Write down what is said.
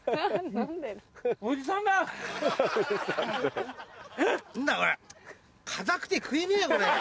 何だこれ硬くて食えねえやこれ。